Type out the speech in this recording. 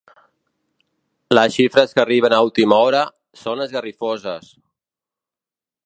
Les xifres que arriben a última hora són esgarrifoses.